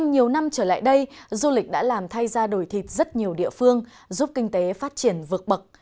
nhiều khu du lịch đã làm thay ra đổi thịt rất nhiều địa phương giúp kinh tế phát triển vượt bậc